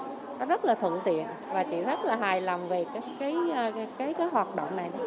nó rất là thuận tiện và chị rất là hài lòng về cái hoạt động này